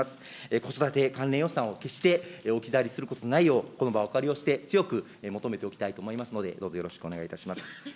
子育て関連予算を決して置き去りすることのないよう、この場をお借りして、強く求めておきたいと思いますので、どうぞよろしくお願いいたします。